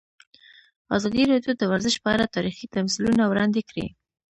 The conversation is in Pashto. ازادي راډیو د ورزش په اړه تاریخي تمثیلونه وړاندې کړي.